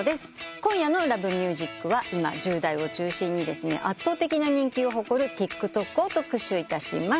今夜の『Ｌｏｖｅｍｕｓｉｃ』は今１０代を中心に圧倒的な人気を誇るＴｉｋＴｏｋを特集いたします。